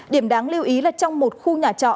điểm đáng lưu ý là trong một khu nhà trọ